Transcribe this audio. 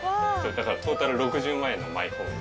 だからトータル６０万円のマイホーム。